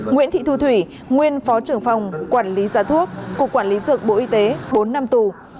nguyễn thị thu thủy nguyên phó trưởng phòng quản lý giá thuốc cục quản lý dược bộ y tế bốn năm tù